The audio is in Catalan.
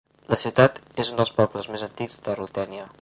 La ciutat és un dels pobles més antics de Rutènia.